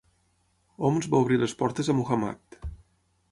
Homs va obrir les portes a Muhammad.